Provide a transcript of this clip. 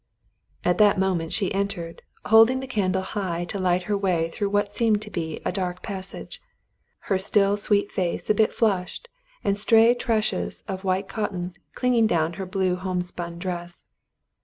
At that moment she entered, holding the candle high to light her way through what seemed to be a dark passage, her still, sweet face a bit flushed and stray taches of white cotton down clinging to her blue homespun dress.